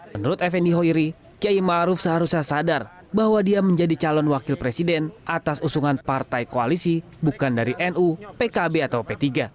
menurut effendi hoiri kiai ⁇ maruf ⁇ seharusnya sadar bahwa dia menjadi calon wakil presiden atas usungan partai koalisi bukan dari nu pkb atau p tiga